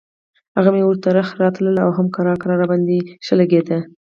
هم مې ورته رخه راتله او هم کرار کرار راباندې ښه لګېده.